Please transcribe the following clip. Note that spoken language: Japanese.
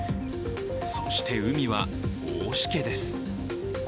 そして海は大しけです。